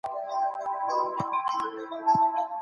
یې ولولئ